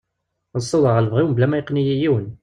Ad siwḍeɣ ɣer lebɣi-w mebla ma yeqqen-iyi yiwen.